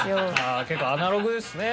ああ結構アナログですね。